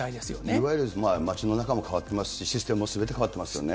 いわゆる街の中も変わってますし、システムもすべて変わってますよね。